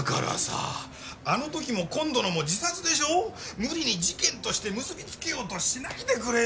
無理に事件として結び付けようとしないでくれよ！